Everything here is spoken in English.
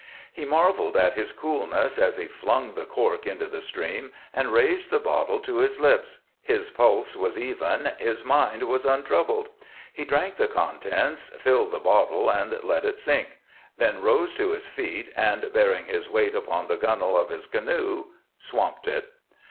He marveled at his coolness as he flung the cork into the stream and raised the bottle to his lips. His pulse was even, his mind was untroubled. He drank the contents, filled the bottle and let it sink; then rose to his feet, and, bearing his weight upon the gunwale of his canoe, swamped it.